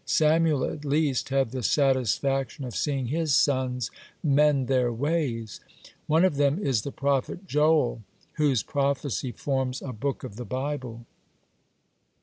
(45) Samuel at least had the satisfaction of seeing his sons mend their ways. One of them is the prophet Joel, whose prophecy forms a book of the Bible.